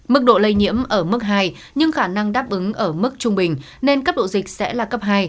mức độ lây nhiễm ở mức hai nhưng khả năng đáp ứng ở mức trung bình nên cấp độ dịch sẽ là cấp hai